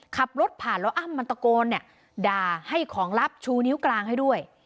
ขับรถผ่านแล้วอ้ำมันตะโกนเนี่ยด่าให้ของลับชูนิ้วกลางให้ด้วย